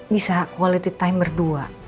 bisa quality time berdua